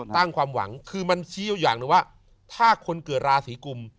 ความหวังคือมันชี้อยู่อย่างหนึ่งว่าถ้าคนเกิดราศีกุม